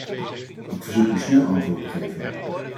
Ik verzoek u snel antwoord te geven.